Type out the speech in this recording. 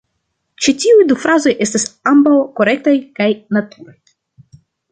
Ĉi tiuj du frazoj estas ambaŭ korektaj kaj naturaj.